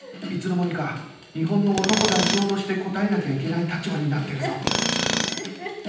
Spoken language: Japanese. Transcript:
いつの間にか日本の男代表として答えなきゃいけない立場になってるぞ